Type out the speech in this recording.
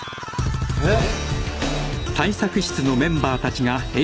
えっ！？